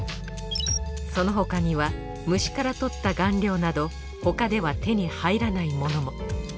その他には虫からとった顔料など他では手に入らないものも。